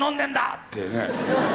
ってね。